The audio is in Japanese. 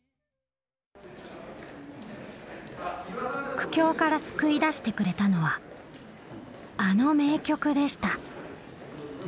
苦境から救い出してくれたのはあの名曲でした。